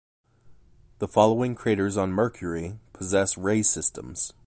The following craters on Mercury possess ray systems.